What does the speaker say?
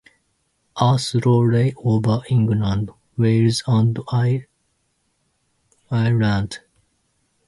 A trough lay over England, Wales and Ireland.